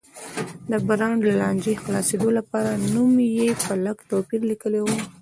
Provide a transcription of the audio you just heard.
د برانډ له لانجې خلاصېدو لپاره نوم یې په لږ توپیر لیکلی و.